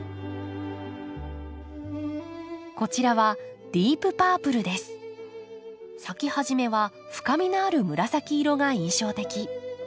こちらは咲き始めは深みのある紫色が印象的。